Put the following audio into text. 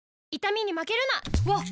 わっ！